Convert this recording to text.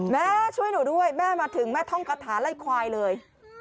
แม่ช่วยหนูด้วยแม่มาถึงแม่ท่องกระถาไล่ควายเลย